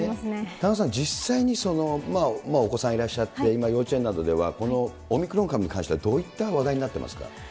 田中さん、実際にお子さんいらっしゃって、今幼稚園などでは、このオミクロン株に関してはどういった話題になってますか。